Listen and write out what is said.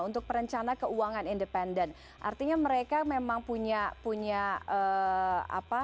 untuk perencana keuangan independen artinya mereka memang punya punya apa